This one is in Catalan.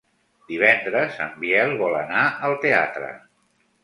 Divendres en Biel vol anar al teatre.